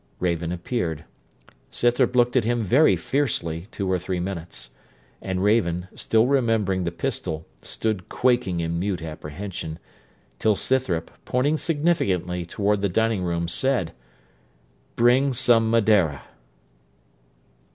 Raven appeared. Scythrop looked at him very fiercely two or three minutes; and Raven, still remembering the pistol, stood quaking in mute apprehension, till Scythrop, pointing significantly towards the dining room, said, 'Bring some Madeira.'